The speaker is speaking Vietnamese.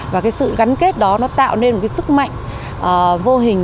và cái sự gắn kết đó nó tạo nên một cái sức mạnh vô hình